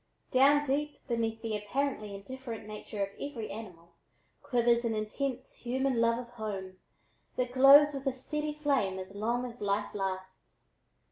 Down deep beneath the apparently indifferent nature of every animal quivers an intense human love of home that glows with a steady flame as long as life lasts.